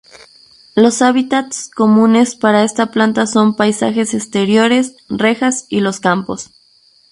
Los hábitats comunes para esta planta son: paisajes exteriores, rejas y los campos.